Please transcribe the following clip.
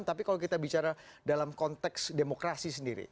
tapi kalau kita bicara dalam konteks demokrasi sendiri